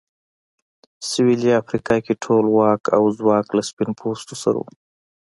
سوېلي افریقا کې ټول واک او ځواک له سپین پوستو سره و.